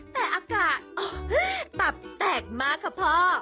แต่อากาศตับแตกมากค่ะพ่อ